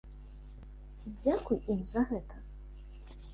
Дзякуй ім за гэта!